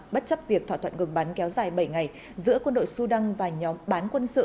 bất chấp việc thỏa thuận ngừng bắn kéo dài bảy ngày giữa quân đội sudan và nhóm bán quân sự